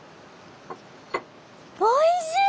おいしい！